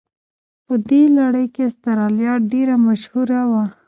په دې لړ کې استرالیا ډېره مشهوره وه.